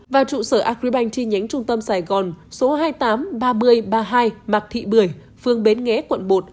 và trụ sở agribank chi nhánh trung tâm sài gòn số hai mươi tám ba mươi ba mươi hai mạc thị bưởi phương bến nghé quận một